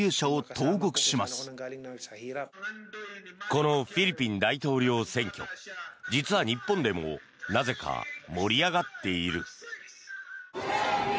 このフィリピン大統領選挙実は日本でもなぜか盛り上がっている。